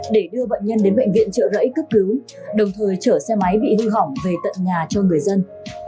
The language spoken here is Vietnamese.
để đưa bệnh nhân đến bệnh viện trợ rẫy cấp cứu đồng thời chở xe máy bị hư hỏng về tận nhà cho người dân